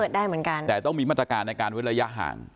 ได้เหมือนกันแต่ต้องมีมาตรการในการเว้นระยะห่าง